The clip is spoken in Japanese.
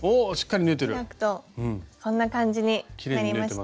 開くとこんな感じになりました。